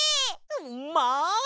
うんまい！